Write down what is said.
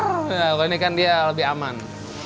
oh ini kan dia lebih aman